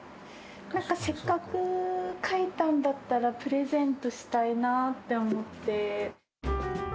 なんか、せっかく書いたんだったら、プレゼントしたいなって思って。